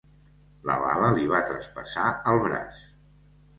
La bala li va traspassar el braç.